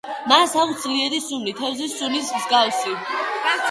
მას აქვს ძლიერი სუნი, თევზის სუნის მსგავსი.